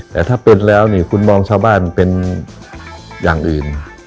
แต่ถ้าเป็นแล้วนี่คุณมองชาวบ้านมันเป็นอย่างอื่น